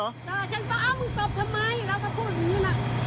ฉันก็เอามึงตบทำไมเราก็พูดอย่างนี้นะ